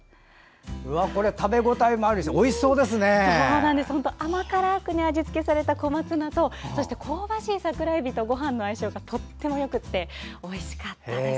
食べ応えもあるし甘辛く味付けされた小松菜と香ばしい桜えびとごはんの相性がとてもよくておいしかったです。